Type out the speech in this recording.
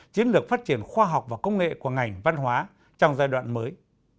chiến lược phát triển khoa học và công nghệ của ngành văn hóa trong giai đoạn mới